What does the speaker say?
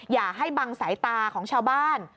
อย่าให้บังสายตาของชาวบ้าน